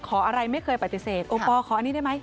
อะไรไม่เคยปฏิเสธโอปอลขออันนี้ได้ไหม